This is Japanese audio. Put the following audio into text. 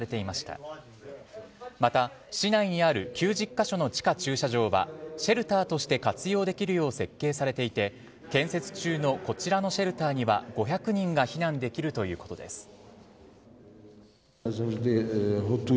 また市内にある９０カ所の地下駐車場はシェルターとして活用できるよう設計されていて建設中のこちらのシェルターには５００人が避難できるということです。